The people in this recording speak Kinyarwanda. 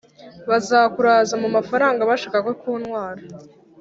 Bazakuraza mumafaranga bashaka kukuntwara